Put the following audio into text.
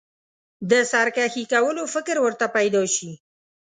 د سرکښي کولو فکر ورته پیدا شي.